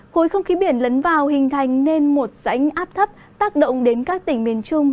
khối không khí biển lấn vào hình thành nên một rãnh áp thấp tác động đến các tỉnh miền trung